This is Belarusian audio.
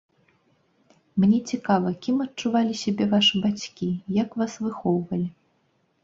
Мне цікава, кім адчувалі сябе вашы бацькі, як вас выхоўвалі.